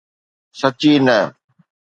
سچي نه